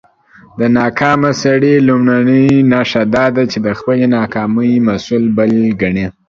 د ناکامه سړى لومړۍ نښه دا ده، چې د خپلى ناکامۍ مسول بل کڼې.